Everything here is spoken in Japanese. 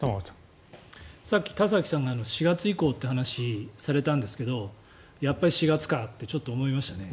さっき田崎さんが４月以降という話をされたんですがやっぱり４月かって思いましたね。